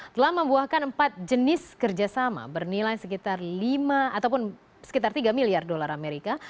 telah membuahkan empat jenis kerjasama bernilai sekitar tiga miliar dolar amerika